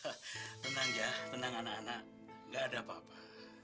hai tenang ya tenang anak anak enggak ada papa